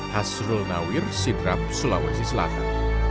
hasrul nawir sidrap sulawesi selatan